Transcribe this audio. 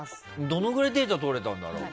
どのぐらいデータ取れたんだろう。